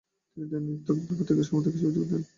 তিনি দৈনিক তাকবির পত্রিকার সম্পাদক হিসেবে যোগ দেন।